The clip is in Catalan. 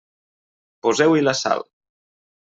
Poseu-hi la sal.